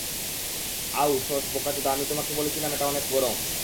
আউ, শশ বোকাচোদা আমি তোমাকে বলেছিলাম এটা অনেক গরম।